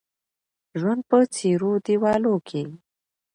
ژوند په څيرو دېوالو کې